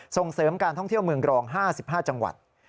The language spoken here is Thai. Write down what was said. ส่งเสริมการท่องเที่ยวเมืองกรอง๕๕จังหวัด